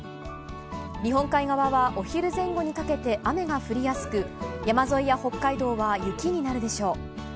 日本海側は、お昼前後にかけて雨が降りやすく山沿いや北海道は雪になるでしょう。